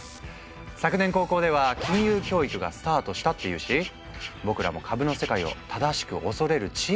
昨年高校では金融教育がスタートしたっていうし僕らも株の世界を正しく恐れる知恵を身につけたいよね。